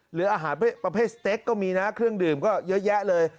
หรืออาหารประเภทสเต็กก็มีนะเครื่องดื่มก็เยอะแยะเลย